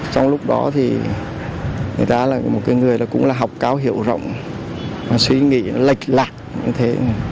trong lúc đó thì người ta là một người cũng là học cao hiểu rộng suy nghĩ lệch lạc như thế